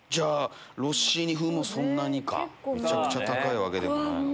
ロッシーニ風もそんなにかめちゃくちゃ高いわけでもない。